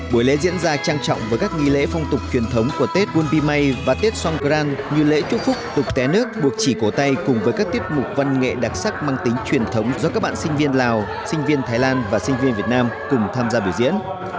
buổi lễ diễn ra trang trọng với các nghi lễ phong tục truyền thống của tết quân vy may và tết song gran như lễ chúc phúc tục té nước buộc chỉ cổ tay cùng với các tiết mục văn nghệ đặc sắc mang tính truyền thống do các bạn sinh viên lào sinh viên thái lan và sinh viên việt nam cùng tham gia biểu diễn